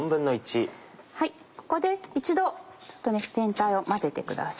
ここで一度全体を混ぜてください。